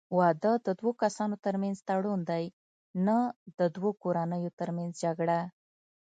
واده د دوه کسانو ترمنځ تړون دی، نه د دوو کورنیو ترمنځ جګړه.